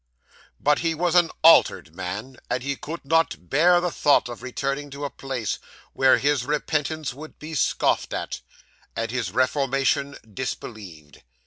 'But he was an altered man, and he could not bear the thought of returning to a place where his repentance would be scoffed at, and his reformation disbelieved.